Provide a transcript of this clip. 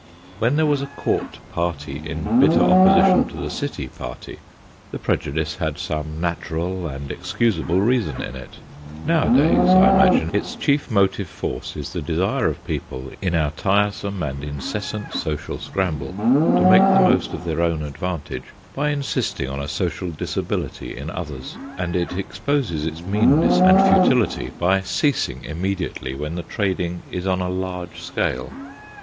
When there was a Court party in bitter opposition to the City party, the prejudice had some natural and excusable reason in it ; now adays, I imagine, its chief motive force is the desire of people, in our tiresome and incessant social scramble, to make the most of their own advantage by insisting on a social disability in others, and it exposes its meanness and futility by ceasing im WRIGHT'S 255 mediately when the trading is on a large scale.